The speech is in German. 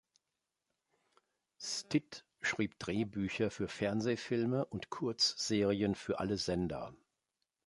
Stitt schrieb Drehbücher für Fernsehfilme und Kurzserien für alle Sender.